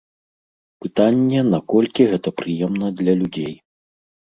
Пытанне, наколькі гэта прыемна для людзей.